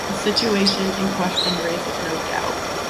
The situation in question raises no doubt.